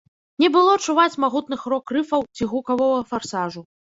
Не было чуваць магутных рок-рыфаў ці гукавога фарсажу.